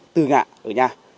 từ ngã ở nhà